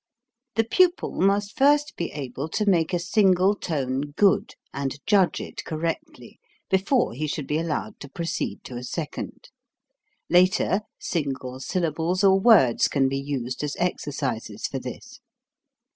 The pupil must first be able to make a single tone good, and judge it correctly, before he should be allowed to proceed to a second. Later, single syllables or words can be used as exercises for this.